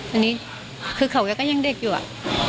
อันนี้คือเขาก็ยังเด็กอยู่อะ